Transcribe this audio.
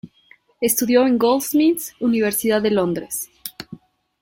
Estudió en Goldsmiths, Universidad de Londres.